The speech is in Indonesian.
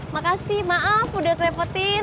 makasih maaf udah terlepotin